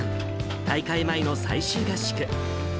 大会前の最終合宿。